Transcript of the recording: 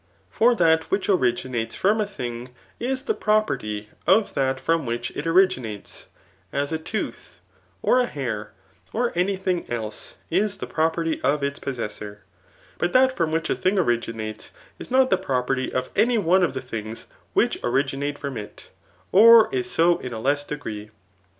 For duit yMcb originates from a tfanig» is the property of that frtNii which it originates ; as a tooth, x>r a hair, or any thing else, is the property of its possessor; but that from whidi a thing originates, is not the property of any one of dte things which originate from it, or is so in a less d^ree.'